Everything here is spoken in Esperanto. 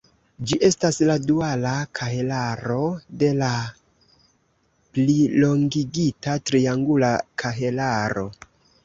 Ĝi estas la duala kahelaro de la plilongigita triangula kahelaro.